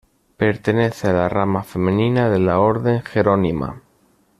Pertenece a la rama femenina de la orden jerónima.